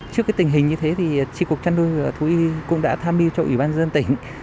trước tình hình như thế thì tri cục chăn nuôi và thú y cũng đã tham đi cho ủy ban dân tỉnh